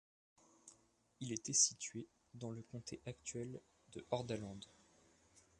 Il était situé dans le comté actuel de Hordaland.